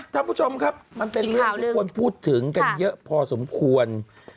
ท่านผู้ชมครับมันเป็นเรื่องที่ควรพูดถึงกันเยอะพอสมควร